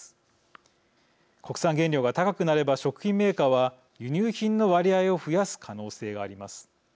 国産原料が高くなれば食品メーカーは輸入品の割合を増やす可能性があります。